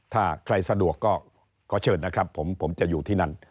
ถ้าใครสะดวกก็ขอเชิญนะครับผมจะอยู่ที่นั่น